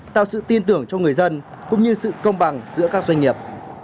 tạo sự tin tưởng cho người dân cũng như sự công bằng giữa các doanh nghiệp